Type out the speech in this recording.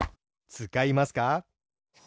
つかいますか？